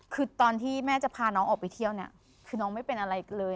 คือตอนที่แม่จะพาน้องออกไปเที่ยวเนี่ยคือน้องไม่เป็นอะไรเลย